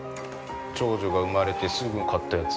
長女が産まれてすぐ買ったやつ。